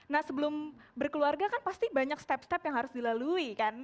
nah sebelum berkeluarga kan pasti banyak step step yang harus dilalui kan